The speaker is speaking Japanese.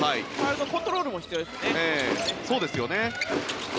コントロールも必要ですよね。